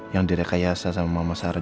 yang direkayasa sama mama sardin